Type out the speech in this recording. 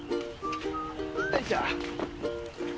よいしょ。